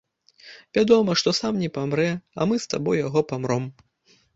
Вядома, што сам не памрэ, а мы з табой яго памром.